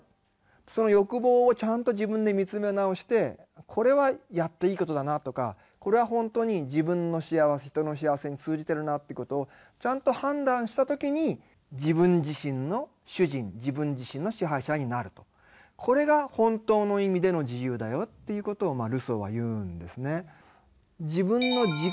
その欲望をちゃんと自分で見つめ直してこれはやっていいことだなとかこれは本当に自分の幸せ人の幸せに通じてるなということをちゃんと判断した時にこれが本当の意味での自由だよということをルソーは言うんですね。